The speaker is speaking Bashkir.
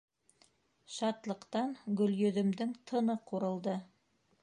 Шатлыҡтан Гөлйөҙөмдөң тыны ҡурылды.